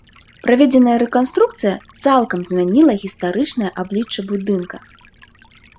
Праведзеная рэканструкцыя цалкам змяніла гістарычнае аблічча будынка.